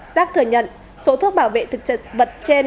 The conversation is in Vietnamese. giác thừa nhận số thuốc bảo vệ thực vật trên